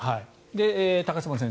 高島先生